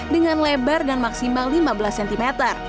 dengan lebar dan maksimal lima belas cm